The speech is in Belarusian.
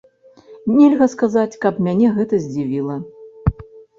Нельга сказаць, каб мяне гэта здзівіла.